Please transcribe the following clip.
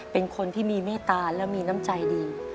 เป็นคนที่มีเมตตาและมีน้ำใจดี